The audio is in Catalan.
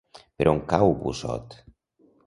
Per on cau Busot?